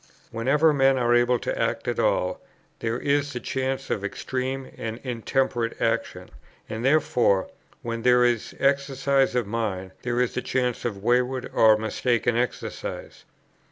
Whenever men are able to act at all, there is the chance of extreme and intemperate action; and therefore, when there is exercise of mind, there is the chance of wayward or mistaken exercise.